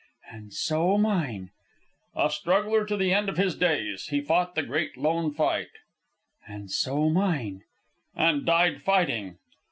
"And so mine." "A struggler to the end of his days. He fought the great lone fight " "And so mine." "And died fighting."